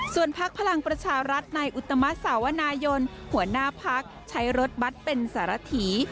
ส่วนพักพลังประชารัฐในอุตมัติสาวนายนหัวหน้าพักใช้รถบัตรเป็นสารถี